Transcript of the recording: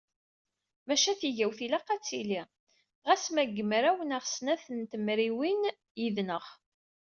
Maca tigawt ilaq ad d-tili ɣas ma deg mraw neɣ snat n tmerwin yid-neɣ.